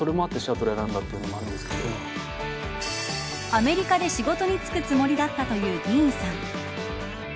アメリカで仕事に就くつもりだったというディーンさん。